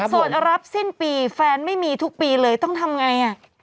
ส่วนรับสิ้นปีแฟนไม่มีทุกปีเลยต้องทำไง